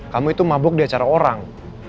kamu itu mabuk di acara orang